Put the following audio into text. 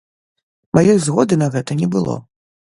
Маёй згоды на гэта не было.